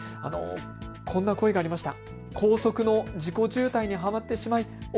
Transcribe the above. こんな声がありました。